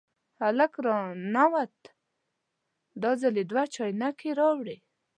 هلک را ننوت، دا ځل یې دوه چاینکې راوړې.